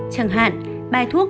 chẳng hạn ba thuốc